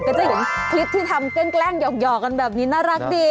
ก็จะเห็นคลิปที่ทำแกล้งหยอกกันแบบนี้น่ารักดี